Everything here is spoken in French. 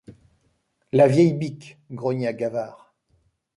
La vieille bique ! grogna Gavard.